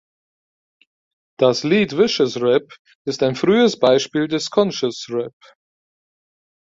Das Lied "Vicious Rap" ist ein frühes Beispiel des Conscious Rap.